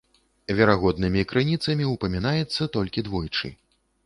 Верагоднымі крыніцамі ўпамінаецца толькі двойчы.